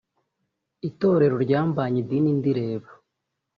itorero ryambanye idini ndireba